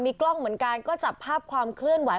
กล้องเหมือนกันก็จับภาพความเคลื่อนไหว